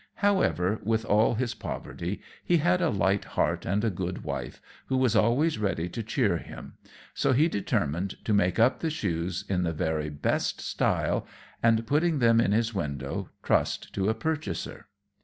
However, with all his poverty, he had a light heart and a good wife, who was always ready to cheer him; so he determined to make up the shoes in the very best style, and, putting them in his window, trust to a purchaser.